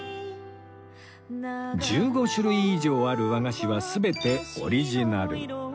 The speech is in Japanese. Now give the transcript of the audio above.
１５種類以上ある和菓子は全てオリジナル